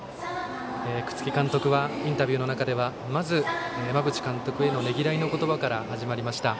楠城監督はインタビューの中ではまず、馬淵監督へのねぎらいの言葉から始まりました。